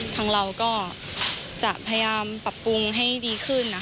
ทางเราก็จะพยายามปรับปรุงให้ดีขึ้น